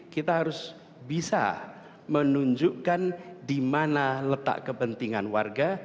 kita harus bisa menunjukkan di mana letak kepentingan warga